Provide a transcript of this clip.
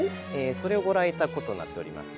それをご覧頂くことになっております。